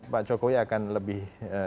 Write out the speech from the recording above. pak jokowi akan lebih